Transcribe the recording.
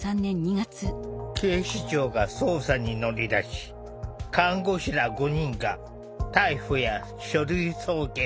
警視庁が捜査に乗り出し看護師ら５人が逮捕や書類送検された。